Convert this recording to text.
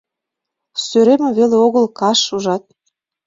Сӧремым веле огыл, каш, ужат